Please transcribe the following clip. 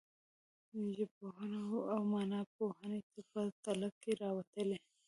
ژبپوهنې او معناپوهنې په تله کې راوتلي.